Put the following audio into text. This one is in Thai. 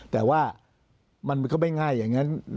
แต่ว่ามันก็ไม่ง่ายอย่างนั้น